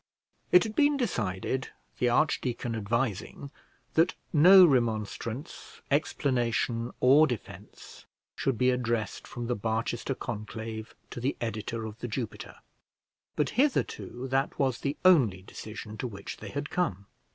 It had been decided, the archdeacon advising, that no remonstrance, explanation, or defence should be addressed from the Barchester conclave to the editor of The Jupiter; but hitherto that was the only decision to which they had come.